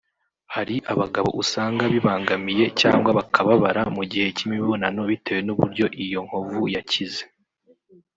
hari abagabo usanga bibangamiye cyangwa bakababara mu gihe cy’imibonano bitewe n’uburyo iyo nkovu yakize